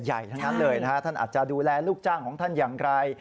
ส่วนการที่มหาเสถียนเข้ามารับบัญญาณอาจจะดูแลลูกจ้างของท่านอย่างไร